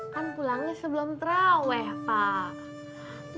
kan pulangnya sebelum terawih pak